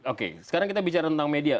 oke sekarang kita bicara tentang media